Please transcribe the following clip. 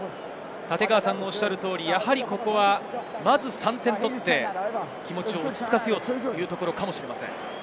やはり、ここはまず３点取って、気持ちを落ち着かせようというところかもしれません。